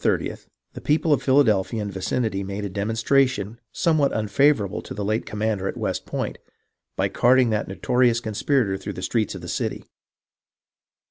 30) the people of Philadelphia and vicinity made a demonstration somewhat unfavourable to the late commander at West Point, by carting that noto rious conspirator through the streets of the city.